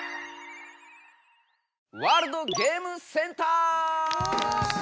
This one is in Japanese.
「ワールドゲームセンター」！